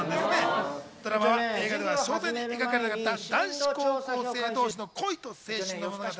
ドラマは映画では詳細に描かれなかった男子高校生同士の恋と青春の物語。